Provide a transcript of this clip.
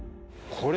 これ。